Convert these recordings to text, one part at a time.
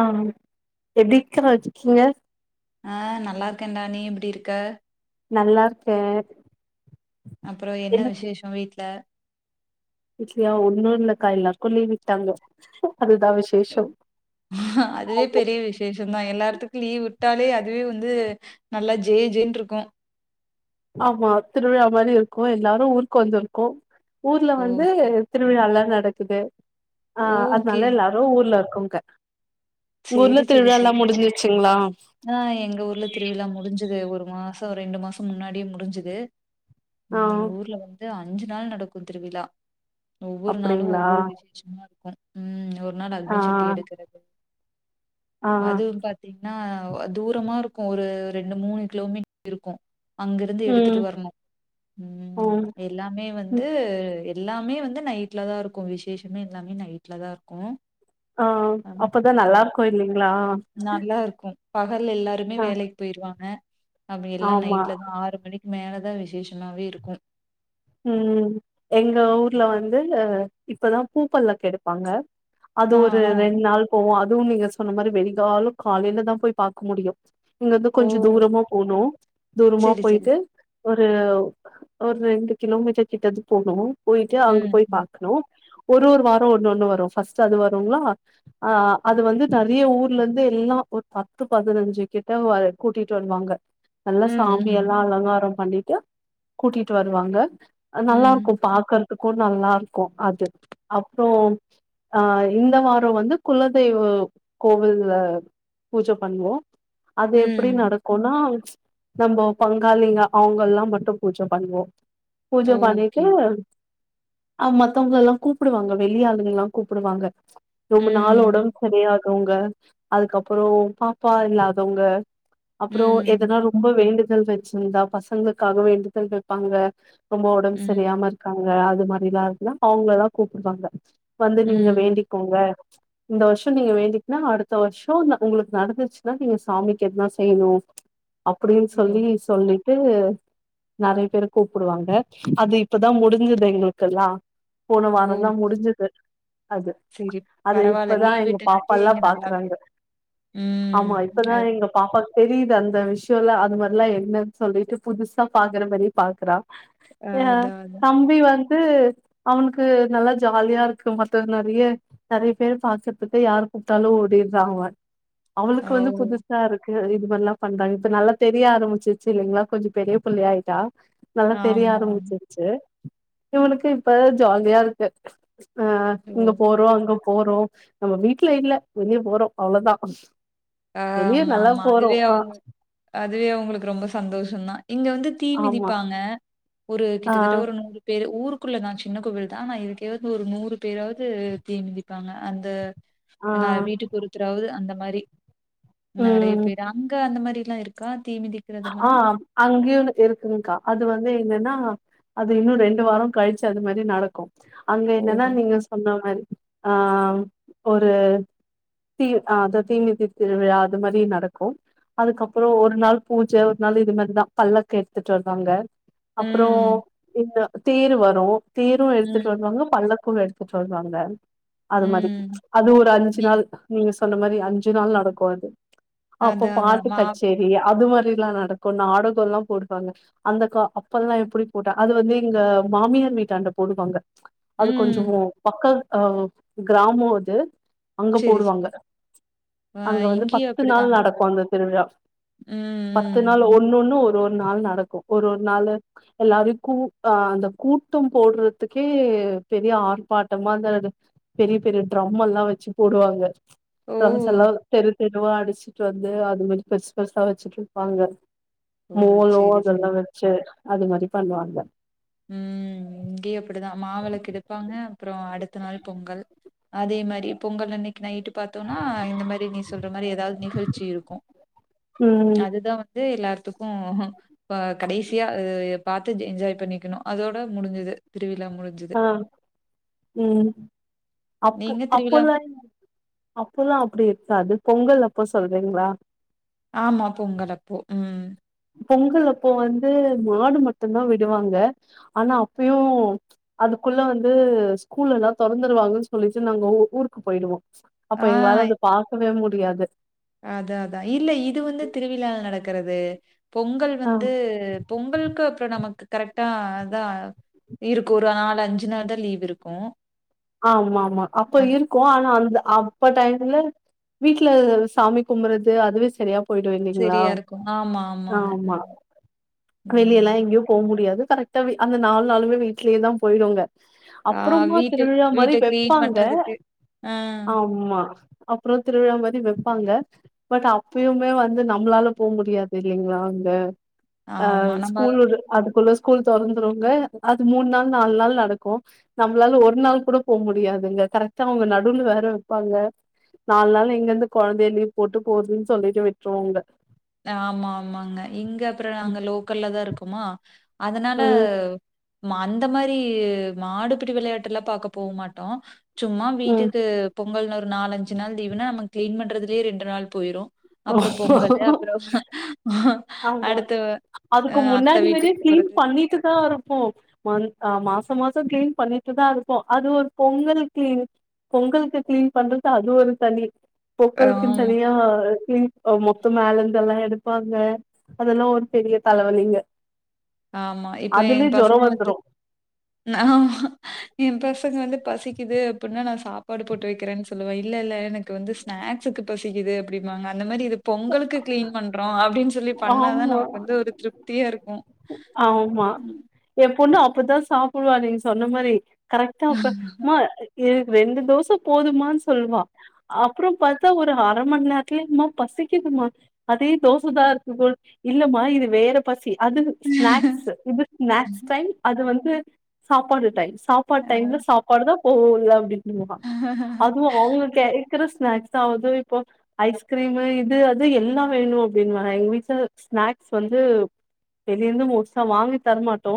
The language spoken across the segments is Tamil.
ஆ எப்டி [unintelligible] வச்சீர்கிங்க ஆ நல்லா ருக்கேன்டா நீ எப்டி இருக்க நல்லார்க்கே அப்றோ என்ன விசேஷொ வீட்ல வீட்லியா ஒன்னு இல்லக்கா எல்லாருக்கு லீவிட்டாங்க அதுதா விஸ் அதுவே பெரிய விசேஷந் தா எல்லாத்துக்கு லீவ் விட்டாலே அதுவே வந்து நல்லா ஜெ ஜென்ருக்கு ஆமா திருவிழா மாரி இருக்கு எல்லாரு ஊருக்கு வந்துருக்கோ ஊர்ல வந்து ஓகே, திருவிழால்லா நடக்குது ஆ ஓகே. அதுனால எல்லாரு ஊர்ல இருக்கொங்க உங்க ஊர்ல சரி, சரி, திருவிழால்லா சரி. முடிஞ்சுசுங்ளா ஆ எங்க ஊர்ல திருவிழா முடிஞ்சது ஒரு மாசோ ரெண்டு மாசோ முன்னாடியே முடிஞ்சது ஆ ம் எங்க ஊர்ல வந்து அஞ்சு நாள் நடக்கு திருவிழா ஒவ்வொரு நாளு அப்டிங்களா ஒவ்வொரு விஷய ஷமா ம் ஒரு நாள் ஆ அக்னி சட்டி எடுக்குறது ஆ அது பாத்தீங்னா தூரமா ருக்கு ஒரு ரெண்டு மூணு கிலோமீட்டர் இருக்கு அங்கிருந்து ம் எடுத்துட்டு வரணு ம் எல்லாமே ம் வந்து எல்லாமே வந்து நைட்ல தா ருக்கு விசேஷமே எல்லாமே நைட்ல தா ர்க்கு ஆ அப்பதா நல்லாருக்கு இல்லிங்ளா நல்லார்க்கு பகல் எல்லாருமே வேலைக்கு போயிருவாங்க அப்டி எல்லா ஆமா நைட்ல தா ஆறு மணிக்கு மேலேதா விசேஷனாவே இருக்கு ம் எங்க ஊர்ல வந்து இப்பதா பூப்பல்லாக் எடுப்பாங்க அது ஆ, ஒரு ஆ. ரெண்டு நாள் போவு அதுவு நீங்க சொன்ன மாதிரி வெடிகால் காலையில தா போய் பார்க்க முடியு இங்கருந்து ஓ! கொஞ்சோ தூரமா போன்னு தூரமா சரி, சரி. போயிட்டு ஒரு ஒரு ரெண்டு கிலோமீட்டர் கிட்ட இருந்து போன்னு போயிட்டு அங்க ம், போய் ம். பாக்கன்னு ஒரு ஒரு வாரோ ஒன்னொண்ணு வரோ ஃபர்ஸ்ட் அது வரும்ங்களா ஆ அது வந்து நெறைய ஊர்லந்து எல்லா ஒரு பத்து பதுனஞ்சி கிட்ட வ கூட்டிட்டு வருவாங்க நல்லா ம், ம். சாம்பியல்லா அலங்கார பண்ணிட்டு கூட்டிட்டு வருவாங்க நல்லா இருக்கு ம். பாக்கறதுக்கு நல்லா இருக்கு அது அப்பறோ ஆ இந்த வாரோ வந்து குலதெய்வ கோவில்ல பூஜ பண்ணுவோ அது எப்டி ம். நடக் கோனா நம்ம பங்காளிங்க அவங்கல்லா மட்டு பூஜ பண்ணுவோ பூஜ பண்ணிட்டு ஓகே. அ மத்தவங்கல்லா கூப்டுவாங்க வெளிய ஆளுங்கல்லா கூப்டுவாங்க ரொம்ப நாளோல்லொட ம், தெரியாதவங்க அதுக்கப்பறோ பாப்பா இல்லாதவங்க அப்பறோ ம். எதனா ரொம்ப வேண்டுதல் வச்சிருந்தா பசங்களுக்காக வேண்டுதல் வைப்பாங்க ரொம்ப உடம்பு ம். சரியாம இருக் க்காங்க அது மாதிரல்லா இருக்குல அவங்கல்லா கூப்டுவாங்க வந்து நீங்க ம். வேண்டிக்கோங்க இந்த வருஷோ நீங்க வேண்டிக்கன்னா அடுத்த வருஷோ உங்களுக்கு நடந்துச்சுன்னா நீங்க சாமிக்கு எதனா செய்யன்னு அப்டின்னு ஓ! சொல்லி சொல்லிட்டு நெறைய பேரு கூப்டுவாங்க ரே அது இப்பதாம் முடிஞ்சது எங்களுக்கெல்லா போன ஓ! வாரந்தா முடிஞ்சது அது சரி. அது பரவால்ல. இப்பதா லீவ் எங்க விட்டங்காட்டி பாப்பால்லா இங்க நல்லாவே பாக்குறாங்க ஆமா ம். இப்பதா அது எங்க பாப்பாக்கு தெரியுது அந்த விஷயம்ல அது மாதிரல்லா என்னன்னு சொல்லிட்டு புதுசா பாக்குற மாதிரி பாக்குறா ஏ அதான் அதான். தம்பி வந் து அவனுக்கு நல்லா ஜாலியா இருக்கு மத்தது நெறைய நெறைய பேர் பாக்குறதுக்கு யார் கூப்ட்டாலு ஓடிடுறாங்க ஓ அவளுக்கு வந்து புதுசா இருக்கு இதுமதிரல்லா பண்றாங்க இப்ப நல்லா தெரிய ஆரம்பிச்சு இல்லைங்களா கொஞ்சோ பெரிய புள்ளையா ஆயிட்டா நல்லா தெரிய ஆமா, ஆமா. ஆரம்பிச்சிருச்சு இவளுக்கு இப்ப ஜாலியா இருக்கு அ ஓ இங்க போறோ அங்க போறோ நம்ம வீட்டுல இல்ல வெளியே போறோ அவ்வளோ தா ஆ ஆமா ஆமா அதுவே அவங்க அதுவே அவங்களுக்கு ரொம்ப சந்தோஷ தா இங்க வந்து தீ ஆமா மிதிப்பாங்க ஒரு ஆ கிட்டத்தட்ட ஒரு நூறு பேரு ஊருக்குள்ள த சின்ன கோவில் தா ஆனா இதுக்கோவந்து ஒரு நூறு பேராவது தீமிதிப்பாங்க அந்த ஆ என்ன வீட்டுக்கு ஒருத்தராவது அந்த மாதிரி நெறைய ம் பேர் அங்க அந்த மாதிரில்லா இருக்கா தீமிதி ஆ அங்கயு இருக்குங்கா அது வந்து என்னன்னா அது இன்னோ ரெண்டு வாரோ கழிச்சு அது மாதிரி நடக்கு அங்க ஓ! என்னனா நீங்க சொன்ன மாதிரி ஆ ஒரு தீ அ தீமிதி திருவிழா அது மாதிரி நடக்கு அதுக்கப்பறோ ஒரு நாள் பூஜ ஒரு நாள் இது மாதிரிதா பல்லக் எடுத்துட்டு வருவாங்க அப்பறோ ம், இந்த தேர் வரு தேரு எடுத்துட்டு ம், வருவாங்க பல்லக்கு எடுத்துட்டு வருவாங்க அது மாதிரி ம். அது ஒரு அஞ்சு நீ நாள் நீங்க சொன்ன மாதிரி அஞ்சு நாள் நடக்கு அது அப்போ அதான், அதான். பாட்டு மாவு கச்சேரி அது மாதிரில்லா நடக்கும் நாடகல்லா போடுவாங்க அந்தகா அப்பல்லல்லா எப்டி போட்டா அது வந்து எங்க மாமியார் வீட்டாண்ட போடுவாங்க அது கொஞ்சோ ம். பக்கா அ கிராமோ அது அங்க சரி, போடுவாங்க சரி. அ அங்க வந்து இங்கேயும் பத்து நாள் அப்படிதான். நடக்கு அந்த திருவிழா ம், பத்து நாள் ம். ஒன்னு ஒன்னு ஒரு ஒரு நாள் நடக்கு ஒரு ஒரு நாளு எல்லாரையு கூ அ அந்த கூட்டம் போடுறதுக்கே பெரிய ஆர்ப்பாட்டமா அந்த பெரிய பெரிய ட்ரம் எல்லா வச்சு போடுவாங்க ஓ! டிரம்சல்லா தெரு தெருவா அடிச்சுட்டு வந்து அது மாதிரி பெருசு பெருசா வச்சுட்டு வாங்க ஓ! சரி, சரி. [unintelligible] வெச்சு அதுவரைக்கு அந்த அந்த ம் இங்கேயு அப்டிதா மாவிளக்கு எடுப்பாங்க அப்புறோ அடுத்த நாள் பொங்கல் அதே மாரி பொங்கல் அன்னைக்கு நைட்டு பாத்தோனா இந்த மாரி நீ சொல்ற மாரி ஏதாவது நிகழ்ச்சி இருக்கு ம் அதுதா வந் ந்து எல்லாத்துக்கு அ கடைசியா பாத்து என்ஜாய் பண்ணி க்குனு அதோட முடிஞ்சுது திருவிழா முடிஞ்சுது ஆ ம் அப்போ நீங்க திருவிழா அப்போல்லா நீங்க அப்போல்லா அப்டி இருக்காது பொங்கல் அப்ப சொல்றீங்களா ஆமா பொங்கலப்போ ம் பொங்கல் அப்போ வந்து மாடு மட்டும்தா விடுவாங்க ஆனா அப்பயு அதுக்குள்ள வந்து ஸ்கூல் எல்லா தொறந்துருவாங்கன்னு சொல்லிட்டு நாங்க ஊ ஊருக்கு போயிடுவோ அப்ப ஆ எங்களால அது பாக்கவே முடியாது அதா அதா இல்ல இது வந்து திருவிழால நடக்கிறது பொங்கல் ஆ வந்து பொங்கலுக்கு அப்புறோ நமக்கு கரெக்டா அதா இருக்கும் ஒரு நாலு அஞ்சு நாள் தா லீவ் இருக்கும் ஆமா ஆமா அப்ப இரு கோவல்லா வல்ல அப்ப டைம்ல வீட்டுல சாமி கும்புறது அதுவே சரியா போயிடு இல்லீங்களா சரியா இருக்கு. ஆமா, ஆமாங்க. ஆமா ம். வெளிய எல்லா ம். எங்கயு போ முடியாது கரெக்டா அந்த நாலு நாளுமே வீடலயே தா போய்டுவாங்க ஆ அப்புறமா வீட்டு திருவிழா மாரி வீட்ட கிளீன் வெப்பாங்க பண்றதுக்கு. ஆ ஆம்மா அப்புறோ திருவிழா மாரி வெப்பாங்க பட் அப்பயுமே வந்து நம்மளால போக முடியாது இல்லைங்களா அங்க அ ஆமா. நம்ம ஸ்கூல் அதுக்குள்ள ஸ்கூல் தொறந்துருவங்க அது மூணு நாள் நால் நாள் நடக்கு நம்மளால ஒரு ஒரு நாள் கூட போ முடியாதுங்க கரெக்ட்டா அவ்ங்க நடுல வேற வெப்பாங்க நாலு நாள் எங்கிருந்து கொழந்தைய லீவ் போட்டு போறதுன்னு சொல்லிட்டு விட்டுருவோங்க ஆமா ஆமாங்க இங்க அப்புற நாங்க லோக்கல்ல தா இருக்கோமா அதனால ம் அந்த மாரி மாடுபிடி விளையாட்டு எல்லா பாக்க போ மாட்டோ சும்மா ம் வீட்டுக்கு பொங்கல்னு ஒரு நாலஞ்சு நாள் லீவுனா நம்ம கிளீன் பண்றதுலயே ரெண்டு நாள் போயிரு அப்புறோ பொங்கலு ஆஹ ஆமா அதுக்கு முன்னாடி வரே வீட்டுக்கு கிளீன் போறது. பண்ணிட்டு தா இருப்போ மந்த் அ மாசம் மாசம் கிளீன் பண்ணிட்டு தா இருக்கோ அது ஒரு பொங்கல் கிளீன் பொங்கலுக்கு கிளீன் பண்றது அது ஒரு தனி பொங்கலுக்குன்னு ஆமா, தனியா கி ஆ மொத்த மேல இருந்து எல்லா எடுப்பாங்க அதெல்லா ஒரு பெரிய தலவலிங்க ஆமா இப்ப எ அதுலயே ஜொரோ பசங்க வந்து வந்துரு என் பசங்க வந்து பசிக்குது அப்டின்னா நா சாப்பாடு போட்டு வெக்கிறேன்னு சொல்லுவே இல்ல இல்ல எனக்கு வந்து ஸ்நாக்ஸுக்கு பசிக்குது அப்டிபாங்க அந்த மாரி இது பொங்கலுக்கு கிளீன் பண்றோ அப்டின்னு சொல்லி பண்ணாதா ஆமா நமக்கு வந்து ஒரு திருப்தியா இருக்கு ஆமா எம்பொண்ணு அப்பதா சா குழுவ நீங்க சொன்ன மாரி கரெக்டா அப்ப மா எனக்கு ரெண்டு தோச போதுமான்னு சொல்லுவா அப்புறம் பாத்தா ஒரு அரை மணி நேரத்துலயே மா பசிக்குதுமா அதே தோசைதா இருக்கு போ இல்லமா இது வேற பசி அது ஸ்நாக்ஸ் இது ஸ்நாக்ஸ் டைம் அது வந்து சாப்பாடு டைம் சாப்பாடு டைம்லா சா படுதா போகல அப்டின்னுன்வா அதுவு அவங்க கெடைகுற ஸ்நாக்ஸ் தா வது இப்போ ஐஸ்கிரீமு இது அது எல்லா வேணு அப்டின்வா எங்க வீட்டுல ஸ்நாக்ஸ் வந்து இங்கிருந்து மோஸ்டா வாங்கி தரமாட்டோ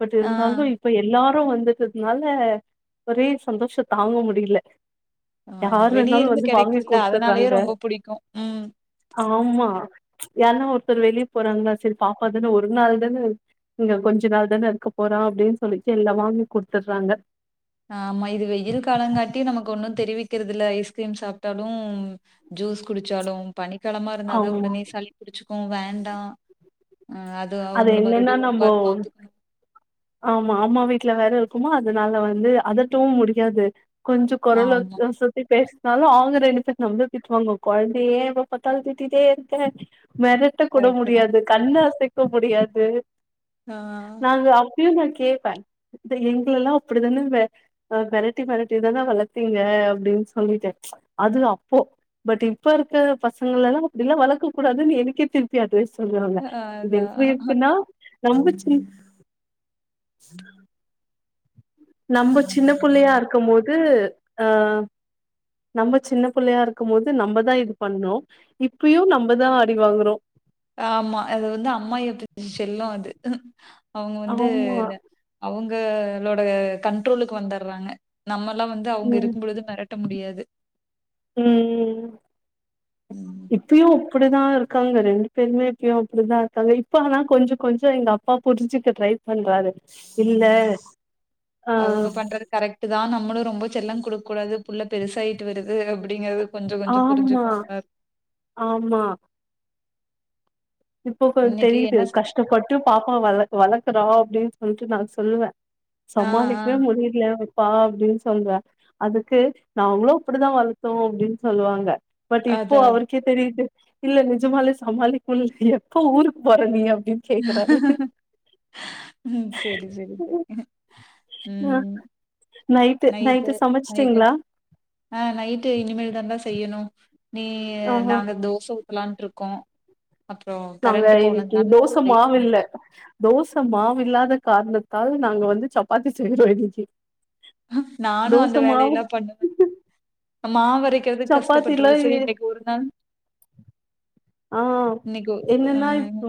பட் ஆ. இருந்தாலு இப் இப்ப எல்லாரு வந்துட்டதனால ஒரே சந்தோஷோ தாங்க முடில ஆமா. யார் வந்தாலு வெளியிருந்து வந்து வாங்கி கெடைக்குதுல்ல, அதனாலயே குடுத்துர்றாங்க ரொம்ப புடிக்கும். ம். ஆமா யார்னா ஒருத்தர் வெளிய போறாங்களா சரி பாப்பாதான ஒரு ஒரு நாள் தான இங்க கொஞ்ச நாள் தானேஇருக்க போறா அப்டின்னு சொல்லிட்டு எல்லா வாங்கி குடுத்துட்றாங்க ஆ ஆமா இது வெயில் காலங்காட்டியு நமக்கு ஒண்ணு தெரிவிக்கிறது இல்ல ஐஸ்கிரீம் சாப்ட்டாலு ஜூஸ் குடிச்சாலு பனிக்காலமா இருந்தாதா ஆமா உடனே சளி புடிச்சுக்கு வேண்டா அ தோ அது அவுங்கள என்னன்னா மறுபடியு ஒரு நம்போ வாரோ பாத்துக்கணு ஆமா அம்மா வீட்டுல வேற இருக்கோமா அதனால வந்து அதட்டவு முடியாது கொஞ்சோ கொரைவா ல ஆமா. ஒசத்தி பேஸ் இருந்தாலும அவுங்க ரெண்டுபேர் நம்மள திட்டுவாங்க கொழந்தைய ஏ எப்பபாத்தாலு திட்டிட்டே இருக்க மெரட் மெரட்டக்கூட கரெக்ட்டு தான். முடியாது கண்ணு அசைக்க முடியாது ஆ நாங்க இப்பயு நா கேப்பே எங்கெல்லா அப்டிதானம்ப ஆ மெரட்டி மெரட்டி தான வளத்தீங்க அப்படின் சொல்லிட்ட அது அப்போ பட் இப்ப இருக்க பசங்கள எல்லா அப்டில்லா வளக்கக் கூடாதுன்னு எனக்கே திரிப்பி ப்டி அட்வைஸ் சொல்லுவாங்க அதான். ஆ ரொம்பச்சின் நம்ப சின்ன புள்ளையா இருக்கம் போது அ நம்ம சின்ன புள்ளையா இருக்கும் போது நம்பதா இது பண்ணோ இப்பயு நம்மதா அடிவாங்றோ ஆமா அது வந்து அம்மா வீட்டுது செல்லோ அது அவுங்க வந்து ஆமா அவுங்களோட கண்ட்ரோலுக்கு வந்தர்றாங்க நம்மல்லா வந்து அவுங்க ம் இருக்கும் பொழுது மெரட்ட முடியாது ம் இப்பியும் அப்டிதா இருக்காங்க ரெண்டு பேருமே இப்பியு அப்டி தா இருக்காங்க இப்ப ஆனா கொஞ்சோ கொஞ்சோ எங்க அப் அப்பா புரிஞ்சுக்க ட்ரை பண்றாரு இல்ல ஆ அவுங்க பண்றது கரெக்ட் தா நம்மளு ரொம்ப செல்லம் குடுக் கூடாது புள்ள பெருசாயிட்டு வருது அப்டிங்கறது ஆமா ஆமா இப்ப கொஞ் இன்னைக்கு தெரியுது என்ன சமையல்? கஷ்டப்பட்டு பாப்பா வள வளக்குறோ அப்படின்னு சொல்லிட்டு நா சொல்லுவே ஆ, ஆ. சமாளிக்கவே முடியறதில்லயா ப்பா அப்படின்னு சொல்வே அதுக்கு நாங்களு அப்டிதா வளத்தோ அப்படின்னு சொல்லுவாங்க பட் இப்போ அதான், அதான். அவர்க்கே தெரியுது இல்ல நிஜமாவே சமாளிக்க முடில எப்ப ஊருக்கு போற நீ அப்டின் ம் செரி செரி செரி ஆ ம் நைட்டு நைட்டு சமச்சிட்டீங்களா அ நைட்டு இனிமேல் தாண்டா செய்யணு நீ ஆ நாங்க தோசை ஊத்தலான்ட்டு இருக்கோ அப்றோ நாங்க கரண்ட் இன்னிக்கு போனதுனால தோச வெயிட் மாவு இல்ல பண்ணிட்டு தோச மாவு இல்லாத காரணத்தால் நாங்க வந்து சப்பாத்தி செஞ்சோ இன்னைக்கு நானு தோச அந்த மாவு வேலைையெல்லா பண்ணுவே மாவு அரைக் கெள்விட் கஷ்டப்பற்றாலு சரி சப்பாத்தில இன்னைக்கு ஒரு நாள் ஆ இன்னைக்கு ஒ- ஆ என்னன்னா இப்போ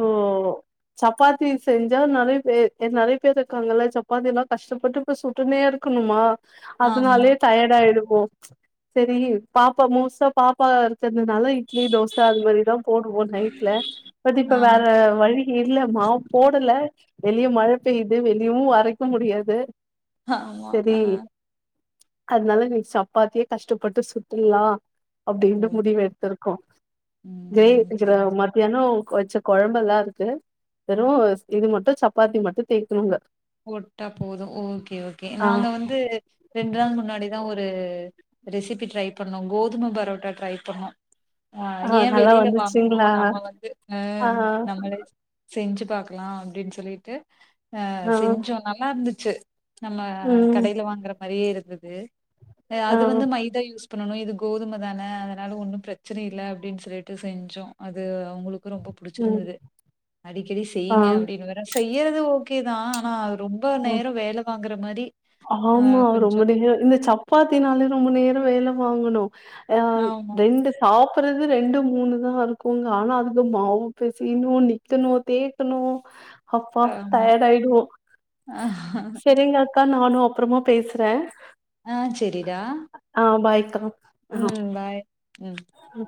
சப்பாத்தி செஞ்சா நறைய பேர் நறைய பேர் இருக்காங்கல்ல சப்பாத்தில்லா கஷ்டப்பட்டு தோச சுட்டுனே இருக்கணுமா ஆமா அதனாலயே டயர்ட் ஆயிடுவோ செரி பாப்பா மோஸ்டா பாப்பா இருக்கர்தனால இட்லி தோசை அது மாரிதா போடுவோ நைட்ல பட் இப்ப ஆ வேற வழி இல்ல மாவு போடல வெளிய மழை பெய்யுது வெளியவு அரைக்க முடியாது ஆமா செரி ஆ அதுனால இன்னைக்கு சப்பாத்தியே கஷ்டப்பட்டு சுட்டுர்லா அப்டின்ட்டு ம் முடிவு எடுத்திருக்கோ ம் சரி [unintelligible] மதியனோ வச்ச குழம்பெல்லா இருக்கு வெறு இது மட்டு சப்பாத்தி மட்டு தேய்க்கணும்ங்க போட்ட போது ஓகே ஓகே நாங்க வந்து ரெண்டு நாள் முன்னாடிதா ஒரு ரெசிபி ட்ரை பண்ணோ கோதும பரோட்டா ட்ரை பண்ணோ ஆ ஏ நல்லா வெளில வாங்கணு வந்துச்சுங்களா நம்ம வந்து அ ஆ நம்மலே செஞ்சு பாக்கலா அப்டின்னு சொல்லிட்டு அ ஆ செஞ்சோ நல்லா இருந்துச்சு நம்ம ம் கடையில வாங்கற மாரியே இருந்துது ஆ அது வந்து மைதா யூஸ் ஸ் பண்ணனும் இது கோதுமதான அதனால ஒன்னும் பிரச்சன இல்ல அப்படின்னு சொல்லிட்டு செஞ்சோம் அது அவுங்களுக்கு ரொம்ப ம் புடிச்சிருந்தது அடிக்கடி ஆ செய்யுங்க அப்படின்னு வேற செய்யறது ஓகே தான் ஆனா அது ரொம்ப ரொம்ப ம் நேரம் வேல வாங்குற மாரி ஆ ஆமா ரொம்ப கொஞ்சோ நேரம் இந்த சப்பாத்தினால ரொம்ப நேரம் வேல வாங்கணும் ஆ ஆமா ரெண்டு சாப்புறது ரெண்டு மூணு தா இருக்குங்க ஆனா அதுக்கு மாவு பெசையனு நிக் க்கணு தேய்க்கணு அப்பா ஆமா டயர்ட் ஆய்டும் செரிங்க அக்கா நானும் அப்புறமா பேசுறேன் ஆ செரிடா ஆ பாய்க்கா ம் பாய் ம் அ